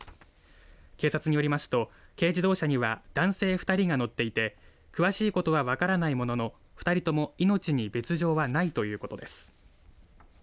警察によりますと軽自動車には男性２人が乗っていて詳しいことは分からないものの２人とも命に別状はないということです。